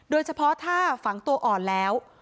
โดยเฉพาะถ้าฝังตัวอ่อนแล้ว